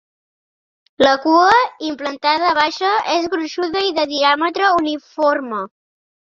La cua, implantada baixa, és gruixuda i de diàmetre uniforme.